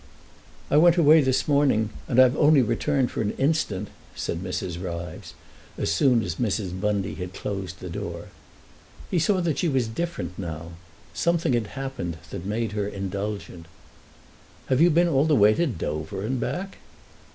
"I went away this morning, and I've only returned for an instant," said Mrs. Ryves, as soon as Mrs. Bundy had closed the door. He saw that she was different now; something had happened that had made her indulgent. "Have you been all the way to Dover and back?"